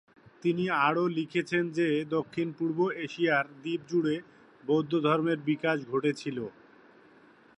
তিনি আরও লিখেছেন যে, "দক্ষিণ-পূর্ব এশিয়ার দ্বীপজুড়ে বৌদ্ধধর্মের বিকাশ ঘটেছিল।